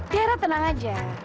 tiara tenang aja